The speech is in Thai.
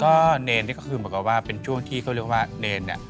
ก็เนรก็คือบอกว่าเป็นช่วงที่เขาเรียกว่าเนรเนี่ย